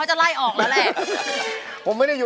ใช้เวลาได้